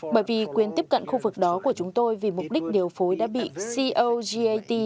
bởi vì quyền tiếp cận khu vực đó của chúng tôi vì mục đích điều phối đã bị cogat